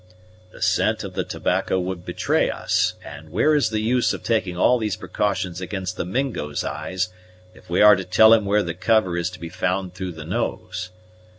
"The scent of the tobacco would betray us; and where is the use of taking all these precautions against the Mingo's eyes, if we are to tell him where the cover is to be found through the nose?